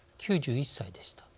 ９１歳でした。